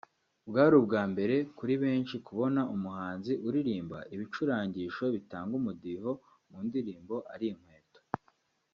Bwari ubwa mbere kuri benshi kubona umuhanzi uririmba ibicurangisho bitanga umudiho mu ndirimbo ari inkweto